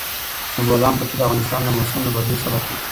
د بولان پټي د افغانستان د موسم د بدلون سبب کېږي.